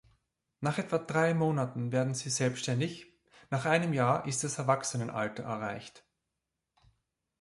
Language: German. Nach etwa drei Monaten werden sie selbständig, nach einem Jahr ist das Erwachsenenalter erreicht.